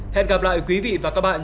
hẹn gặp lại quý vị và các bạn